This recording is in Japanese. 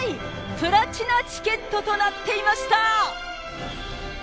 プラチナチケットとなっていまし